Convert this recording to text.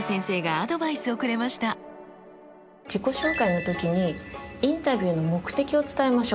自己紹介の時にインタビューの目的を伝えましょう。